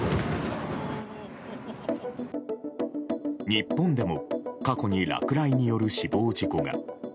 日本でも過去に落雷による死亡事故が。